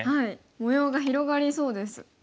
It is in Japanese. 模様が広がりそうです。